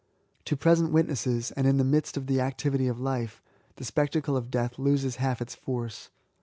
To present witnesses, and in the midst of the activity of life, the spec tacle of death loses half its force.